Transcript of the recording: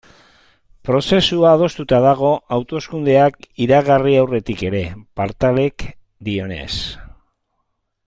Prozesua adostuta dago hauteskundeak iragarri aurretik ere, Partalek dioenez.